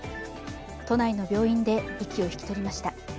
都内の病院で息を引き取りました。